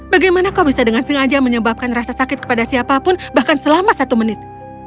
bagaimana kau bisa dengan sengaja menyebabkan rasa sakit kepada siapapun bahkan selama satu menit